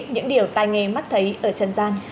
những điều tài nghề mắt thấy ở trần gian